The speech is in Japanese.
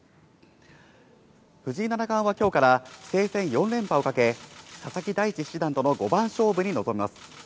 藤井七冠はきょうから棋聖戦４連覇をかけ佐々木大地七段との五番勝負に臨みます。